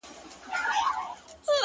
په بوتلونو شـــــراب ماڅښلي ـ